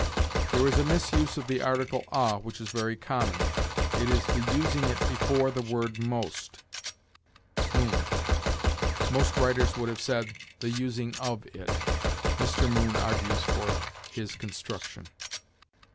"There is a misuse of the article a which is very common. It is the using it before the word most." Moon. Most writers would have said "the using of it." Mr. Moon argues for his construction.